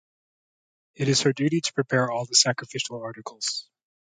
It is her duty to prepare all the sacrificial articles.